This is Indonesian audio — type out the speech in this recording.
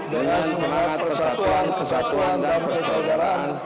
dengan semangat kesatuan kesatuan dan persaudaraan